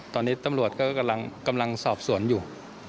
ตอนนี้ตำรวจก็กำลังสอบสวนอยู่